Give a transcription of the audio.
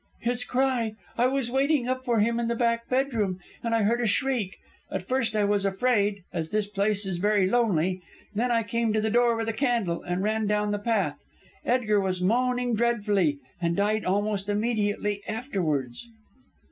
"His cry! I was waiting up for him in the back bedroom, and I heard a shriek. At first I was afraid, as this place is very lonely. Then I came to the door with a candle, and ran down the path. Edgar was moaning dreadfully, and died almost immediately afterwards."